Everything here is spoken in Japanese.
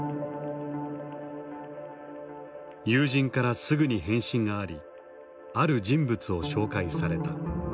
友人からすぐに返信がありある人物を紹介された。